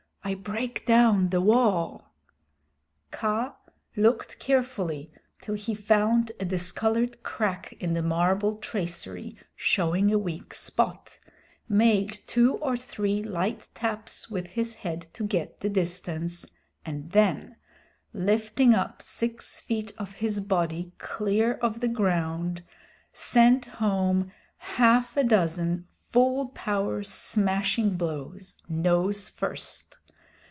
I break down the wall." Kaa looked carefully till he found a discolored crack in the marble tracery showing a weak spot, made two or three light taps with his head to get the distance, and then lifting up six feet of his body clear of the ground, sent home half a dozen full power smashing blows, nose first.